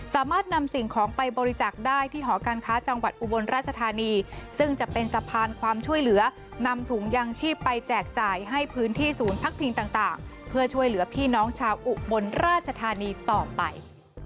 สามารถนำสิ่งของไปบริจาคได้ที่หอการค้าจังหวัดอุบลราชธานีซึ่งจะเป็นสะพานความช่วยเหลือนำถุงยางชีพไปแจกจ่ายให้พื้นที่ศูนย์พักพิงต่างเพื่อช่วยเหลือพี่น้องชาวอุบลราชธานีต่อไป